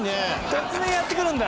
突然やってくるんだ。